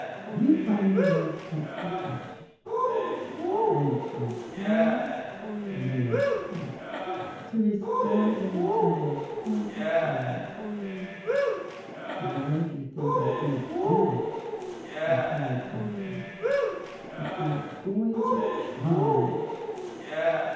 "You find a way to catch the fish, and I'll promise when they are caught to restore them to their proper forms." "I know you think I can't do it," replied Dorothy, "but I'm going to try."